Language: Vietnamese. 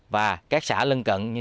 và các xã lân cận như